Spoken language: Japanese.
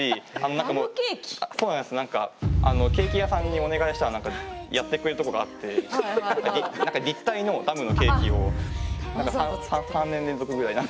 ケーキ屋さんにお願いしたらやってくれるとこがあって立体のダムのケーキを３年連続ぐらい何か。